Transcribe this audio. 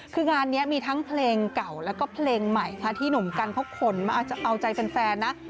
คืองานนี้มีทั้งเพลงเก่าแล้วก็เพลงใหม่ที่หนุ่มกันเขาขนมาจะเอาใจแฟนนะ